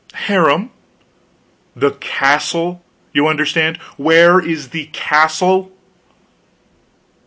"Harem?" "The castle, you understand; where is the castle?"